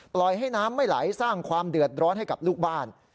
ปล่อยให้น้ำไม่ไหลสร้างความเดือดร้อนให้กับลูกบ้าน